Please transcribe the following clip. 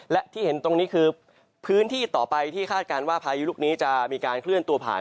และที่เห็นตรงนี้คือพื้นที่ต่อไปที่คาดการณ์ว่าพายุลูกนี้จะมีการเคลื่อนตัวผ่าน